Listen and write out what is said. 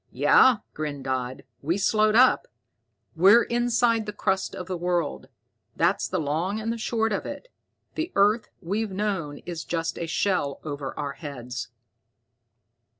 "Yeah," grinned Dodd, "we slowed up. We're inside the crust of the world. That's the long and short of it. The earth we've known is just a shell over our heads."